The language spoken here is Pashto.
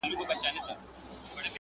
مرګ له خدایه په زاریو ځانته غواړي.!